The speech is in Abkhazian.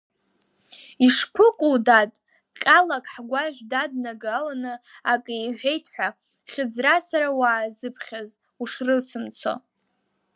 Ишԥыкәу, дад, ҟьалак ҳгәашә даднагаланы акы иҳәеит ҳәа, хьыӡрацара уаазыԥхьаз ушрыцымцо.